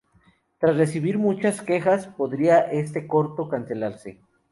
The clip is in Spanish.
Tras recibir muchas quejas podría este corto cancelarse.